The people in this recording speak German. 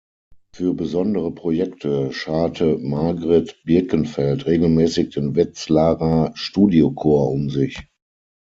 Für besondere Projekte scharte Margret Birkenfeld regelmäßig den "Wetzlarer Studiochor" um sich.